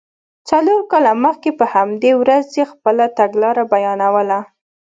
څلور کاله مخکې په همدې ورځ یې خپله تګلاره بیانوله.